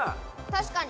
確かに。